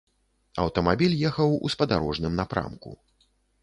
Аўтамабіль ехаў у спадарожным напрамку.